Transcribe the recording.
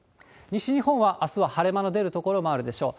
西日本はあすは晴れ間の出る所もあるでしょう。